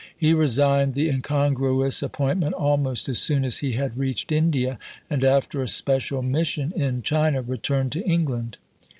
He resigned the incongruous appointment almost as soon as he had reached India, and after a special mission in China returned to England.